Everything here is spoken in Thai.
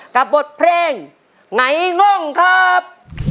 กับบทเพลงไหนง่องครับ